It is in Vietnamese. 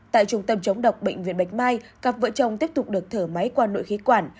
tại trung tâm chống độc bệnh viện bạch mai cặp vợ chồng tiếp tục được thở máy qua nội khí quản